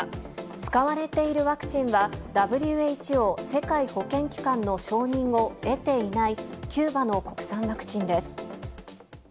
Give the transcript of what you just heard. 使われているワクチンは、ＷＨＯ・世界保健機関の承認を得ていない、キューバの国産ワクチンです。